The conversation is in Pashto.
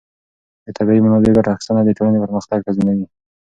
د طبیعي منابعو ګټه اخیستنه د ټولنې پرمختګ تضمینوي.